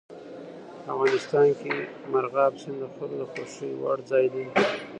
افغانستان کې مورغاب سیند د خلکو د خوښې وړ ځای دی.